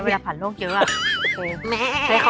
แก่อย่างนี้เวลาผ่านโลกเยอะ